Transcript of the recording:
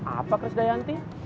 apa chris dayanti